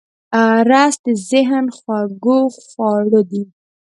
رس د ذهن خوږ خواړه دی